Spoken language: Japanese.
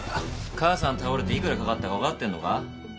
母さん倒れていくらかかったかわかってんのか？